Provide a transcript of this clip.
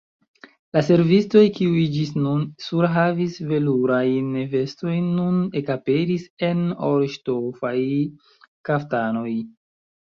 La servistoj, kiuj ĝis nun surhavis velurajn vestojn, nun ekaperis en orŝtofaj kaftanoj.